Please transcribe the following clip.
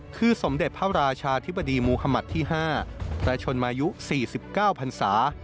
คือสมเด็จพระราชาธิบดีมุธมัติที่๕พระชนมายุ๔๙พันศา